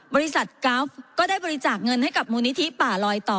กราฟก็ได้บริจาคเงินให้กับมูลนิธิป่าลอยต่อ